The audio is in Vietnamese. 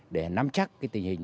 để nắm chắc tình hình